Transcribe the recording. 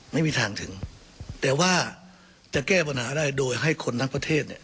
ไม่มีทางถึงแต่ว่าจะแก้ปัญหาได้โดยให้คนทั้งประเทศเนี่ย